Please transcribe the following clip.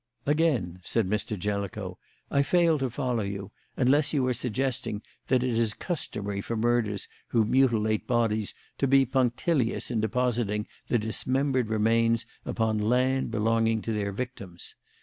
"Again," said Mr. Jellicoe, "I fail to follow you, unless you are suggesting that it is customary for murderers who mutilate bodies to be punctilious in depositing the dismembered remains upon land belonging to their victims.